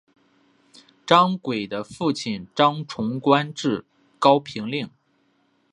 张轨的父亲张崇官至高平令。